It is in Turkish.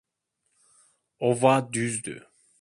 Ova düzdü.